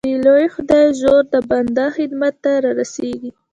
د لوی خدای زور د بنده خدمت ته را رسېږي